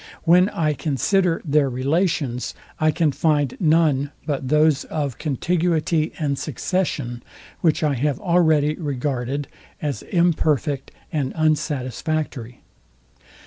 When I consider their relations, I can find none but those of contiguity and succession; which I have already regarded as imperfect and unsatisfactory.